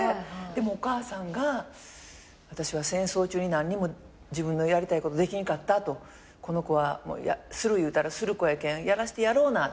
でもお母さんが「私は戦争中に何にも自分のやりたいことできんかった」「この子はする言うたらする子やけんやらしてやろうな」